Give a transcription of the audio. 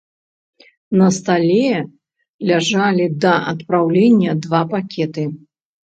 На стале ляжалі да адпраўлення два пакеты.